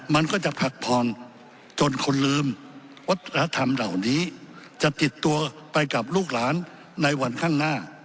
มันก็จะผลัดผ่อนจนคนลืมวัฒนธรรมเหล่านี้จะติดตัวไปกับลูกหลานในวันข้างหน้า